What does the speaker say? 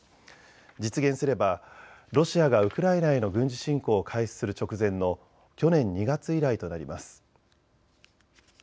実現すればロシアがウクライナへの軍事侵攻を開始する直前の去年２月以来となります。